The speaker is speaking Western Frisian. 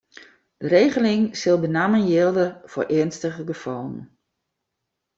De regeling sil benammen jilde foar earnstige gefallen.